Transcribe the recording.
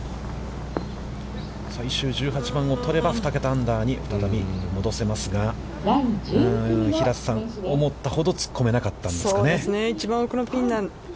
最終１８番をとれば、２桁アンダーに再び戻せますが、平瀬さん、思ったほど突っ込めなかったんですかね。